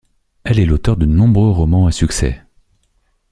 Elle est l'auteur de nombreux romans à succès.